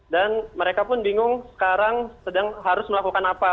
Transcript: dan mereka pun bingung sekarang sedang harus melakukan apa